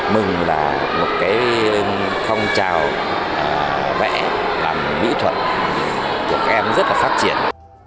mừng là một cái không trào vẽ và mỹ thuật của các em rất là phát triển